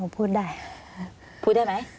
ผมพูดได้